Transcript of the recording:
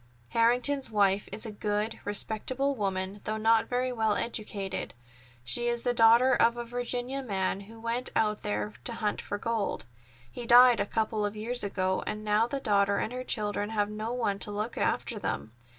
"Harrington's wife is a good, respectable woman, though not very well educated. She is the daughter of a Virginia man who went out there to hunt for gold. He died a couple of years ago, and now the daughter and her children have no one to look after them.